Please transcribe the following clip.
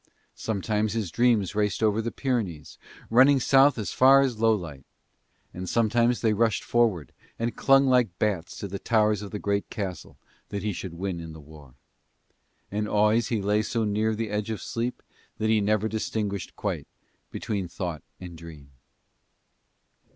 Sometimes his dreams raced over the Pyrenees, running south as far as Lowlight; and sometimes they rushed forward and clung like bats to the towers of the great castle that he should win in the war. And always he lay so near the edge of sleep that he never distinguished quite between thought and dream.